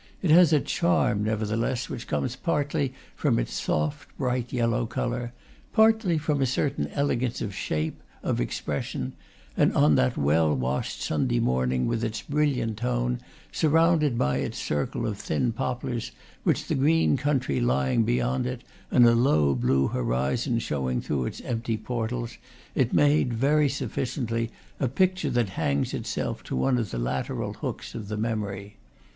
It has a charm, never theless, which comes partly from its soft, bright yellow color, partly from a certain elegance of shape, of ex pression; and on that well washed Sunday morning, with its brilliant tone, surrounded by its circle of thin poplars, with the green country lying beyond it and a low blue horizon showing through its empty portals, it made, very sufficiently, a picture that hangs itself to one of the lateral hooks of the memory.